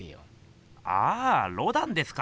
ああロダンですか。